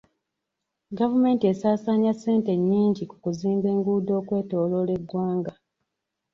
Gavumenti esaasaanya ssente nnyinji ku kuzimba enguudo okwetooloola eggwanga.